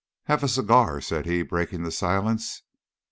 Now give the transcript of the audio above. "Have a cigar," said he, breaking the silence.